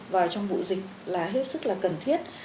và trong vụ dịch là hết sức là cần thiết